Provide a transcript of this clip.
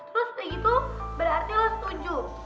terus kayak gitu berarti lo setuju